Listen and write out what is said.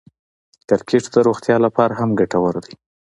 کرکټ د روغتیا له پاره هم ګټور دئ.